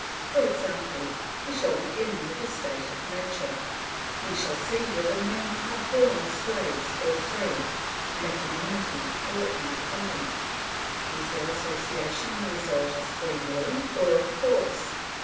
For example, we shall begin with the state of nature, we shall see whether men are born slaves or free, in a community or independent; is their association the result of free will or of force?